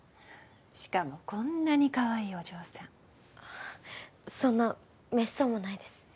しかもこんなにカワイイお嬢さんそんなめっそうもないです